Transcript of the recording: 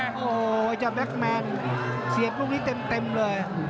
โอ้โหเจ้าแบ็คแมนเสียบลูกนี้เต็มเลย